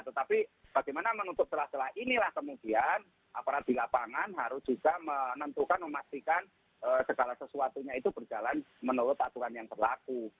tetapi bagaimana menutup celah celah inilah kemudian aparat di lapangan harus juga menentukan memastikan segala sesuatunya itu berjalan menurut aturan yang berlaku